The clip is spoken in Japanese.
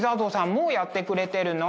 もうやってくれてるの？